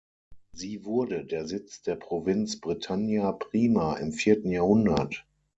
Sie wurde der Sitz der Provinz Britannia prima im vierten Jahrhundert.